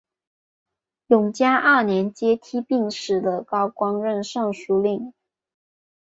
永嘉二年接替病死的高光任尚书令。